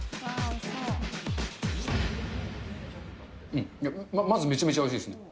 うん、まずめちゃめちゃおいしいですね。